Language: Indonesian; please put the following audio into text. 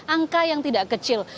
angka yang tidak kecil